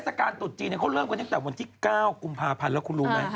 การตุดจีนเขาเริ่มกันตั้งแต่วันที่๙กุมภาพันธ์แล้วคุณรู้ไหม